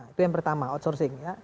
itu yang pertama outsourcing